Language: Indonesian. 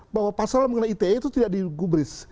bahwa pasal mengenai ite itu tidak digubris